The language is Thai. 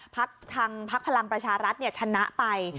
พรรคพลังประชารัฐชนะไป